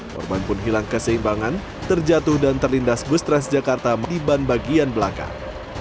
korban pun hilang keseimbangan terjatuh dan terlindas bus transjakarta di ban bagian belakang